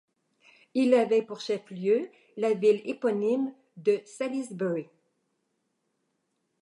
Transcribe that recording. Il avait pour chef-lieu la ville éponyme de Salisbury.